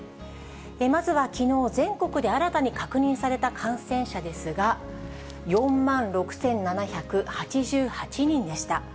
まずはきのう全国で新たに確認された感染者ですが、４万６７８８人でした。